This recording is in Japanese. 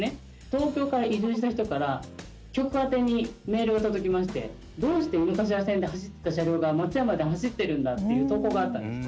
東京から移住した人から局宛てにメールが届きましてどうして井の頭線で走ってた車両が松山で走ってるんだっていう投稿があったんです。